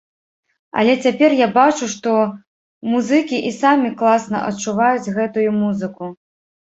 Але цяпер я бачу, што музыкі і самі класна адчуваюць гэтую музыку.